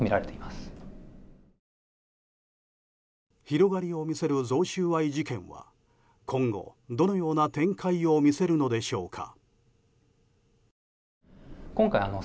広がりを見せる贈収賄事件は今後、どのような展開を見せるのでしょうか。